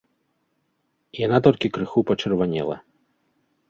Яна толькі крыху пачырванела.